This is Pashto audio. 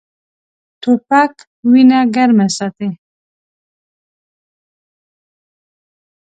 توپک وینه ګرمه ساتي.